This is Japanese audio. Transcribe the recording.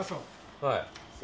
はい。